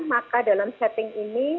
maka dalam setting ini